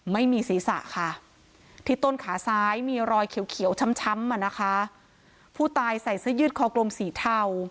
ไม่มีศีรษะค่ะที่ต้นขาซ้ายมีรอยเขียวเขียวช้ำช้ำอ่ะนะคะผู้ตายใส่เสื้อยืดคอกลมสีเทา